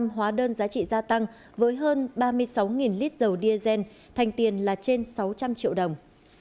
ba trăm bảy mươi năm hóa đơn giá trị gia tăng với hơn ba mươi sáu lít dầu diesel thành tiền là trên sáu trăm linh triệu đồng